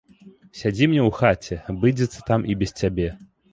Сядзі мне ў хаце, абыдзецца там і без цябе.